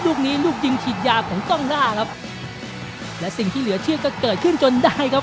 ลูกนี้ลูกยิงฉีดยาของกล้องหน้าครับและสิ่งที่เหลือเชื่อก็เกิดขึ้นจนได้ครับ